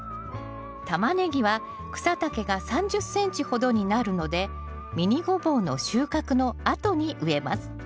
タマネギは草丈が３０ｃｍほどになるのでミニゴボウの収穫のあとに植えます。